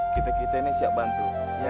kita kita ini siap bantu